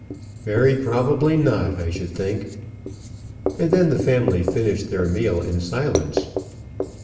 "Very probably not, I should think." And then the family finished their meal in silence.